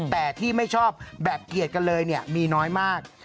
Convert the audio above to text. แต่ที่ไม่ชอบแบบเกียรติกันเลยมีน้อยมาก